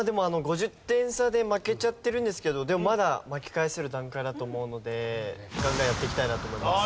５０点差で負けちゃってるんですけどでもまだ巻き返せる段階だと思うのでガンガンやっていきたいなと思います。